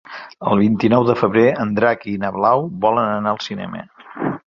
El vint-i-nou de febrer en Drac i na Blau volen anar al cinema.